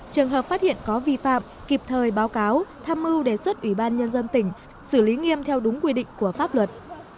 trường hợp phát hiện có vi phạm kịp thời báo cáo tham mưu đề xuất ủy ban nhân dân tỉnh xử lý nghiêm theo đúng quy định của pháp luật